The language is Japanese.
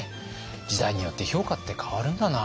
時代によって評価って変わるんだな。